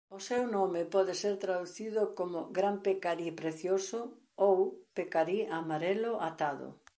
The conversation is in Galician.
O seu nome pode ser traducido como "Gran Pecarí Precioso" ou "Pecarí Amarelo Atado".